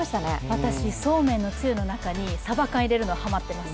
私、そうめんのつゆの中にさば缶入れるのハマってます。